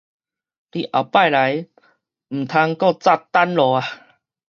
你後擺來毋通閣紮等路矣